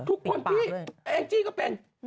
ทุกคนพี่แองจี้ก็เป็น